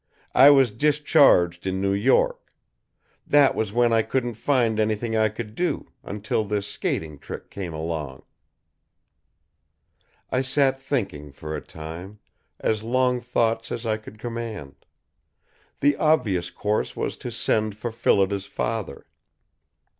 I was discharged in New York. That was when I couldn't find anything I could do, until this skating trick came along." I sat thinking for a time; as long thoughts as I could command. The obvious course was to send for Phillida's father.